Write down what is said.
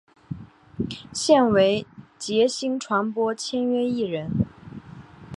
现为杰星传播签约艺人。